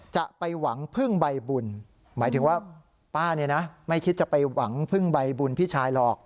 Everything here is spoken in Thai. จะไปหวังพึ่งใบบุญหมายถึงว่าป้าเนี่ยนะไม่คิดจะไปหวังพึ่งใบบุญพี่ชายหรอก